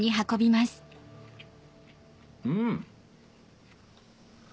うん。